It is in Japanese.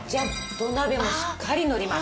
土鍋もしっかりのります。